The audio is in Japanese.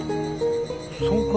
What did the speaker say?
そうか？